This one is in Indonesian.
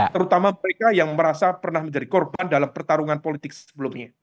terutama mereka yang merasa pernah menjadi korban dalam pertarungan politik sebelumnya